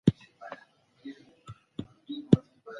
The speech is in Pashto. هیوادونه څنګه د کډوالو ستونزي حل کوي؟